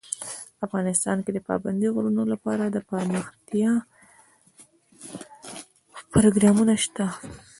افغانستان کې د پابندی غرونه لپاره دپرمختیا پروګرامونه شته.